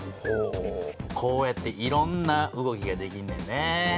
こうやっていろんな動きができんねんね。